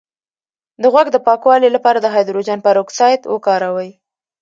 د غوږ د پاکوالي لپاره د هایدروجن پر اکسایډ وکاروئ